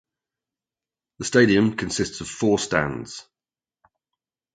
The stadium consists of four stands.